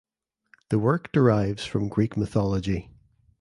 The work derives from Greek Mythology.